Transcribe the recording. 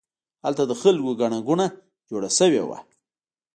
هلته د خلکو ګڼه ګوڼه جوړه شوې وه.